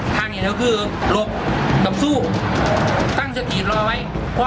ทางนี้ก็คือหลบกับสู้ตั้งสติดรอไว้